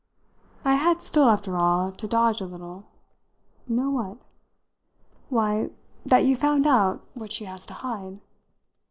I had still, after all, to dodge a little. "Know what?" "Why, that you've found out what she has to hide."